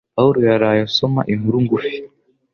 Pawulo yaraye asoma inkuru ngufi.